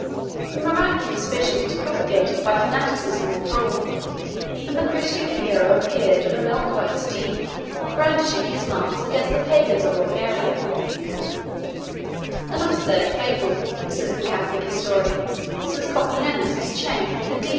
A miraculous vision was propagated by fanaticism or fraud: and the Christian hero appeared on a milk white steed, brandishing his lance against the Pagans of Bulgaria: "An absurd fable," says the Catholic historian, "since Copronymus is chained with the daemons in the abyss of hell."